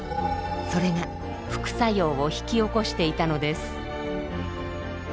それが副作用を引き起こしていたのです。